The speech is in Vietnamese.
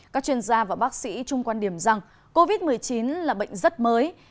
các chuyên gia và bác sĩ chung quan điểm rằng covid một mươi chín là bệnh rất mới